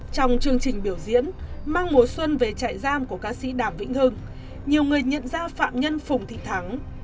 trong chương trình biểu diễn mang mùa xuân về trại giam của ca sĩ đàm vĩnh hưng nhiều người nhận ra phạm nhân phùng thị thắng